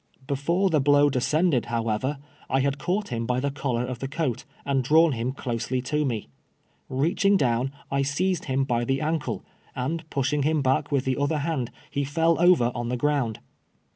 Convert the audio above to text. Before the blow descended, however, TIBEATS' DISCOMFITURE. Ill I had caught him hy the coUar of the coat, and drawn hhn closely to nie. Iteaching down, I seized him bj the ankle, and pushing him back with the other hand, he fell over on the ground.